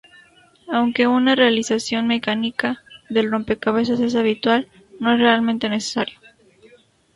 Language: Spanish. Aunque una realización mecánica del rompecabezas es habitual, no es realmente necesario.